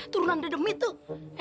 turunan dari demi tuh